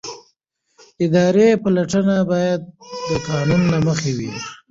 اداري پلټنه باید د قانون له مخې وي.